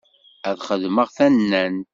Ad xedmeɣ tannant.